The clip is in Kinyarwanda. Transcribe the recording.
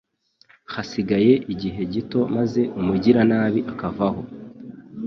Hasigaye igihe gito maze umugiranabi akavaho